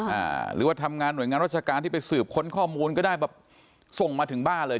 หรือว่าทำงานหน่วยงานราชการที่ไปสืบค้นข้อมูลก็ได้แบบส่งมาถึงบ้านเลย